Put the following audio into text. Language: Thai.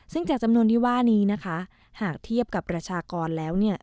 ซึ่งจากจำนวนที่ว่านี้นะคะหากเทียบกับประชากรแล้วเนี่ย